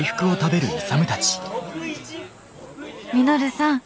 「稔さん。